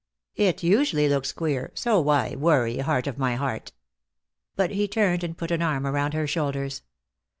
"It usually looks queer, so why worry, heart of my heart?" But he turned and put an arm around her shoulders.